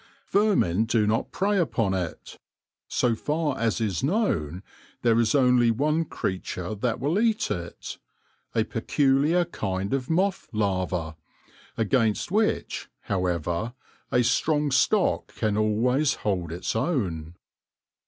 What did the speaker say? Vermin do not prey upon it : so far as is known there is only one creature that will eat it — a peculiar kind of moth larva, against which, how ever, a strong stock can always hold its own.